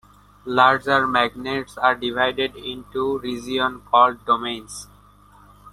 Larger magnets are divided into regions called "domains".